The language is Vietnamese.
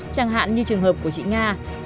chẳng hạn như trường hợp của chị nga